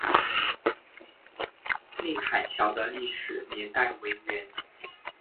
宁海桥的历史年代为元。